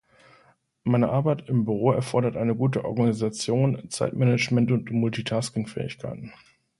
Meine Arbeit im Büro erfordert eine gute Organisation, Zeitmanagement und Multitasking-Fähigkeiten.